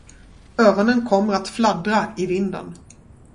Öronen kommer att fladdra i vinden.